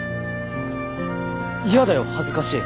嫌だよ恥ずかしい。